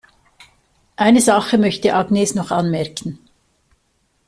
Eine Sache möchte Agnes noch anmerken.